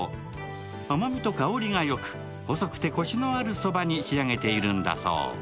甘みと香りがよく細くてこしのあるそばに仕上げているんだそう。